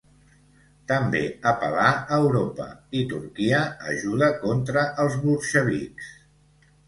També apel·là a Europa i Turquia ajuda contra els bolxevics.